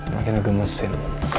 makin ada gemesin